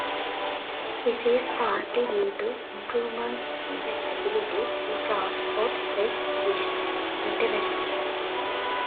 This is partly due to improvements in the ability to transport fresh fish internationally.